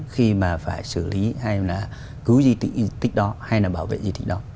khi mà phải xử lý hay là cứ di tích đó hay là bảo vệ di tích đó